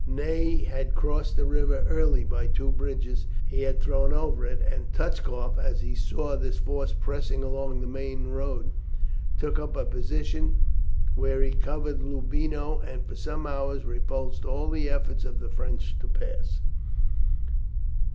Ney had crossed the river early by two bridges he had thrown over it, and Touchkoff, as he saw this force pressing along the main road, took up a position where he covered Loubino, and for some hours repulsed all the efforts of the French to pass.